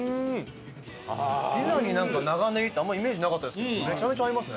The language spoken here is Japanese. ピザに長ネギってあんまイメージなかったですけどめちゃめちゃ合いますね！